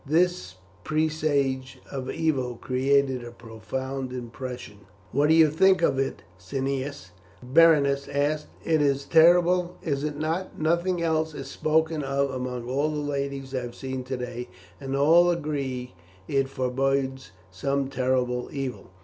This presage of evil created a profound impression. "What do you think of it, Cneius?" Berenice asked; "it is terrible, is it not? Nothing else is spoken of among all the ladies I have seen today, and all agree it forbodes some terrible evil."